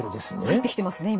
入ってきてますね